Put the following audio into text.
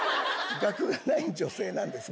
学がない女性なんですね。